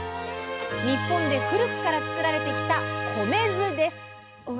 日本で古くからつくられてきた米酢です。